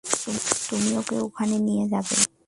তুমি ওকে ওখানে নিয়ে যাবে।